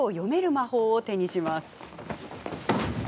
魔法を手にします。